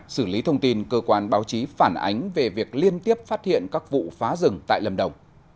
xử lý thông tin cơ quan báo chí phản ánh về việc liên tiếp phát hiện các vụ phá rừng tại lâm đồng